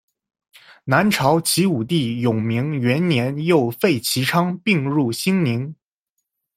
南朝齐武帝永明元年又废齐昌并入兴宁。